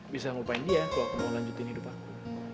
bisa ngupain dia kalau aku mau lanjutin hidup aku